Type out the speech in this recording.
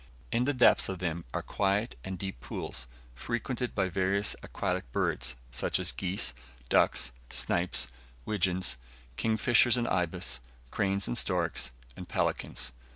In the depths of them are quiet and deep pools, frequented by various aquatic birds, such as geese, ducks, snipes, widgeons, kingfishers and ibis, cranes and storks, and pelicans.